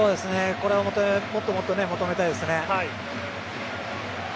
これをもっと求めたいですね。